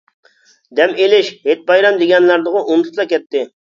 دەم ئېلىش، ھېيت-بايرام دېگەنلەرنىغۇ ئۇنتۇپلا كەتتى.